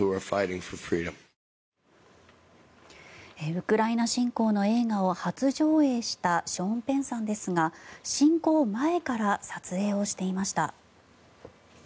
ウクライナ侵攻の映画を初上映したショーン・ペンさんですが侵攻前から撮影をしていました。